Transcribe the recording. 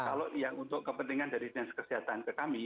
kalau untuk kepentingan dari kesehatan ke kami